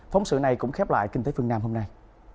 phóng sự này cũng khép lại kinh tế phương nam hôm nay